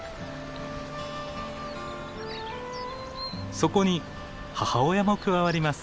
そこに母親も加わります。